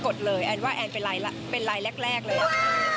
กดอย่างวัยจริงเห็นพี่แอนทองผสมเจ้าหญิงแห่งโมงการบันเทิงไทยวัยที่สุดค่ะ